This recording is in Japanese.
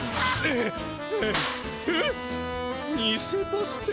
えっ